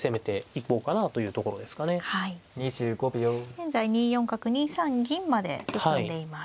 現在２四角２三銀まで進んでいます。